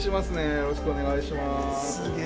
よろしくお願いします。